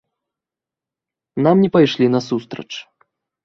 Нам не пайшлі насустрач.